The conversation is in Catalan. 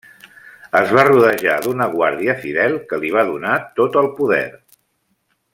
Es va rodejar d’una guàrdia fidel que li va donar tot el poder.